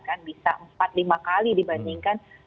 kan bisa empat lima kali dibandingkan